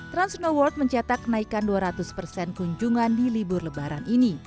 trans snow world mencetak kenaikan dua ratus persen kunjungan di libur lebaran ini